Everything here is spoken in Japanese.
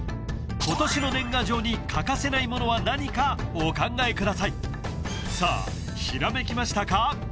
今年の年賀状に欠かせないものは何かお考えくださいさあ閃きましたか？